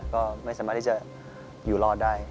ก็ไม่สามารถที่จะอยู่รอดได้